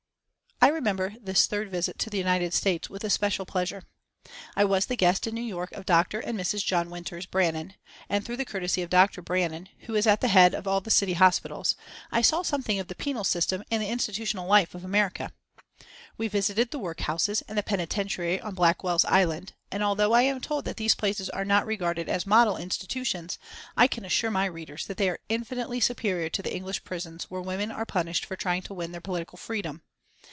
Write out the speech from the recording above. I remember this third visit to the United States with especial pleasure. I was the guest in New York of Dr. and Mrs. John Winters Brannan, and through the courtesy of Dr. Brannan, who is at the head of all the city hospitals, I saw something of the penal system and the institutional life of America. We visited the workhouse and the penitentiary on Blackwell's Island, and although I am told that these places are not regarded as model institutions, I can assure my readers that they are infinitely superior to the English prisons where women are punished for trying to win their political freedom.